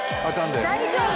大丈夫？